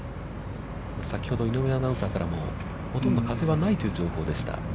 先ほど井上アナウンサーからも、ほとんど風はないという情報でした。